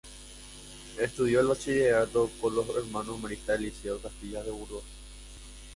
Estudió el bachillerato con los hermanos maristas del Liceo Castilla de Burgos.